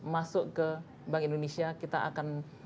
masuk ke bank indonesia kita akan